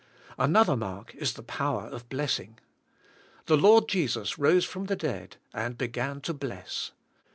Another mark is the power of blessing . The Lord Jesus rose from the dead and beg an to bless.